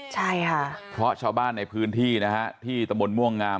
ใช่ค่ะเพราะชาวบ้านในพื้นที่นะฮะที่ตะมนต์ม่วงงาม